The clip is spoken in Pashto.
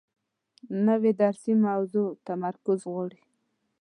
نوې درسي موضوع تمرکز غواړي